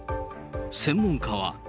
専門家は。